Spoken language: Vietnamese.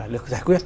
được giải quyết